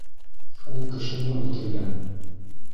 — Ул кешене үлтергән!